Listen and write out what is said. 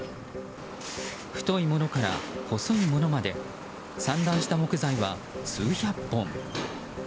太いものから細いものまで散乱した木材は数百本。